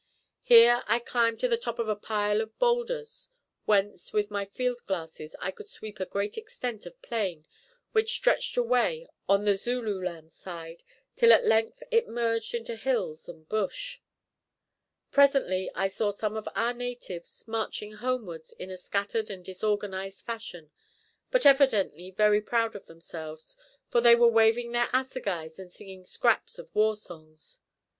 Here I climbed to the top of a pile of boulders, whence with my field glasses I could sweep a great extent of plain which stretched away on the Zululand side till at length it merged into hills and bush. Presently I saw some of our natives marching homewards in a scattered and disorganised fashion, but evidently very proud of themselves, for they were waving their assegais and singing scraps of war songs.